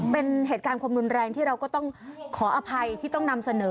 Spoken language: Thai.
เป็นเหตุการณ์ความรุนแรงที่เราก็ต้องขออภัยที่ต้องนำเสนอ